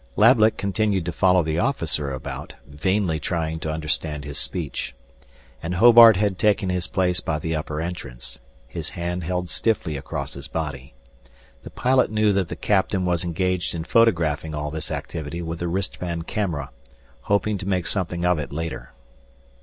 Lablet continued to follow the officer about, vainly trying to understand his speech. And Hobart had taken his place by the upper entrance, his hand held stiffly across his body. The pilot knew that the captain was engaged in photographing all this activity with a wristband camera, hoping to make something of it later.